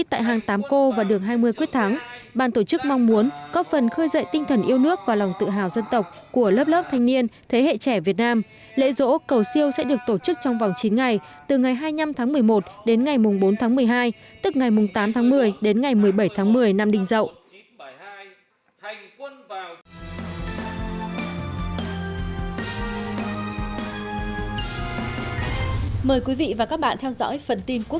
tại hàng tám cô và đường hai mươi quyết thắng bàn tổ chức mong muốn có phần khơi dậy tinh thần yêu nước và lòng tự hào dân tộc của lớp lớp thanh niên thế hệ trẻ việt nam lễ rỗ cầu siêu sẽ được tổ chức trong vòng chín ngày từ ngày hai mươi năm tháng một mươi một đến ngày bốn tháng một mươi hai tức ngày tám tháng một mươi đến ngày một mươi bảy tháng một mươi năm đình dậu